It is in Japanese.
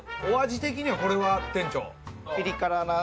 お味的にはこれは店長。